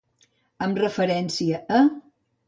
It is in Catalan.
Amb referència a.